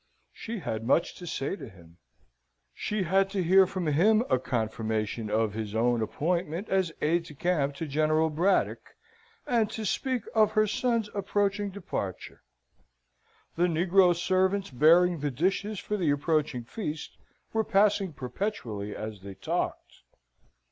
She had much to say to him; she had to hear from him a confirmation of his own appointment as aide de camp to General Braddock, and to speak of her son's approaching departure. The negro servants bearing the dishes for the approaching feast were passing perpetually as they talked.